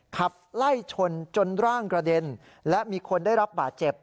ขับไล่ชนจนร่างกระเด็นและมีคนได้รับบาดเจ็บ